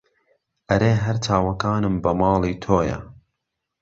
ئەرێ هەر چاوەکانم بە ماڵی تۆیە